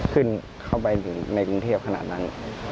ขึ้นไปถึงในกรุงเทพขนาดนั้น